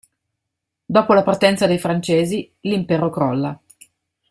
Dopo la partenza dei francesi, l'impero crolla.